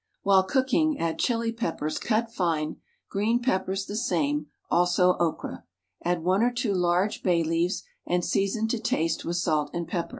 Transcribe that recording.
While cooking add chili peppers cut fine, green peppers the same, also okra. Add one or two large bay leaves and season to taste with salt and pepper.